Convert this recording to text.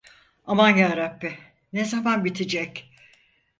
Aman Yarabbi, ne zaman bitecek!